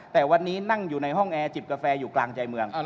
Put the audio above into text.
แต่วันนี้นั่งอยู่ในห้องแอร์จิบกาแฟอยู่กลางใจเมือง